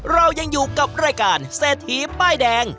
เรายังอยู่กับรายการเศรษฐีป้ายแดง